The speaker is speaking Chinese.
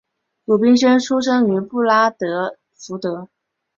鲁宾逊出生于布拉德福德。